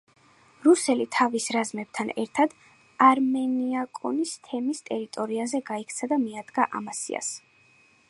რუსელი თავის რაზმებთან ერთად არმენიაკონის თემის ტერიტორიაზე გაიქცა და მიადგა ამასიას.